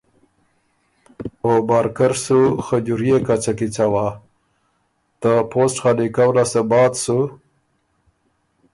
او بارکر سُو خجوريې کڅه کی څوا، ته پوسټ خالی کؤ لاسته بعد سُو